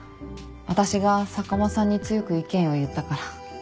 私が坂間さんに強く意見を言ったから。